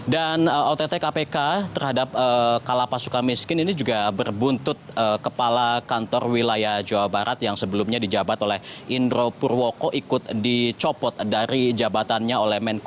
dan ott kpk terhadap lapa suka miskin ini juga berbuntut kepala kantor wilayah jawa barat yang sebelumnya dijabat oleh indro purwoko ikut dicopot dari jabatannya oleh menteri